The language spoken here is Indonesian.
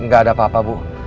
nggak ada apa apa bu